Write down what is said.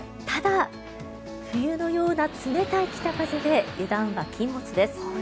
ただ冬のような冷たい北風で油断は禁物です。